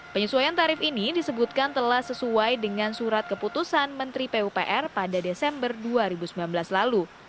penyesuaian tarif ini disebutkan telah sesuai dengan surat keputusan menteri pupr pada desember dua ribu sembilan belas lalu